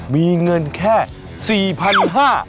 มีเงินแค่๔๕๐๐บาท